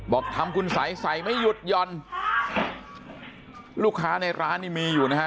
บอกทำคุณสัยใส่ไม่หยุดหย่อนลูกค้าในร้านนี่มีอยู่นะฮะ